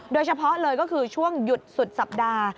โดยเฉพาะเลยก็คือช่วงหยุดสุดสัปดาห์